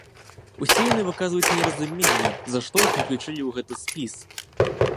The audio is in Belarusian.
Усе яны выказваюць неразуменне, за што іх уключылі ў гэты спіс.